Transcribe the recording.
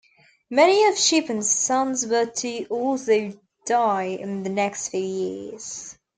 Many of Chupan's sons were to also die in the next few years.